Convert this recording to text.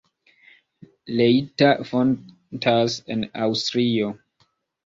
Leitha fontas en Aŭstrio.